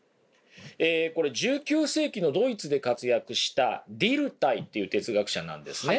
これ１９世紀のドイツで活躍したディルタイという哲学者なんですね。